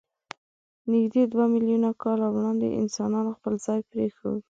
نږدې دوه میلیونه کاله وړاندې انسانانو خپل ځای پرېښود.